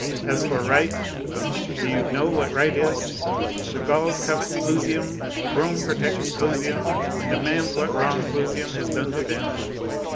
As for right, do you know what right is? The Gauls covet Clusium, Rome protects Clusium, and demands what wrong Clusium has done to them.